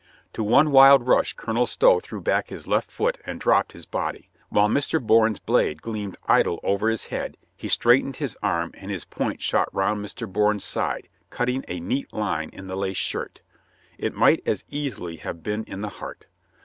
To one wild rush Colonel Stow threw back his left foot and dropped his body. While Mr. Bourne's blade gleamed idle over his head, he straightened his arm and his point shot round Mr. Bourne's side, cutting a neat line in the lace shirt. It might as easily have been in the heart.